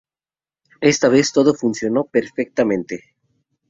Esta vez todo funcionó perfectamente.